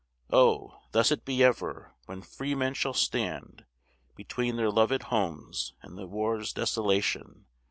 Oh! thus be it ever, when freemen shall stand Between their loved homes and the war's desolation!